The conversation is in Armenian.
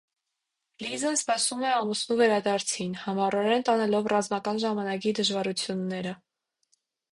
Լիզան սպասում է ամուսնու վերադարձին՝ համառորեն տանելով ռազմական ժամանակի դժվարությունները։